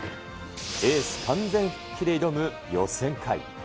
エース完全復帰で挑む予選会。